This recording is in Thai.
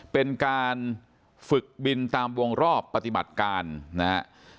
เป็นการฝึกบินตามวงรอบปฏิบัติการนะฮะ